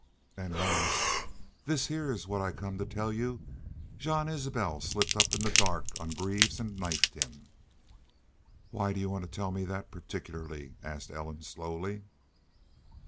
An' last this here's what I come to tell you Jean Isbel slipped up in the dark on Greaves an' knifed him." "Why did y'u want to tell me that particularly?" asked Ellen, slowly.